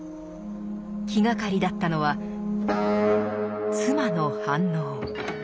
気がかりだったのは妻の反応。